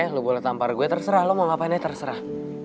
lo boleh tampar gue terserah lo mau ngapain aja terserah